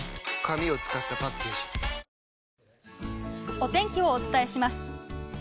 お天気をお伝えします。